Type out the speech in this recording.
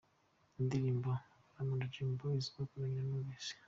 Indirimbo " Baramponda" Dream Boys bakoranye na Knowless.